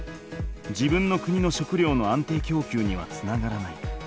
自分の国の食料の安定きょうきゅうにはつながらない。